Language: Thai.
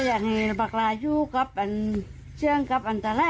แม่สอมรักลูกแม่ผมยังไม่ตาย